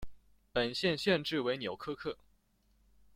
本县县治为纽柯克。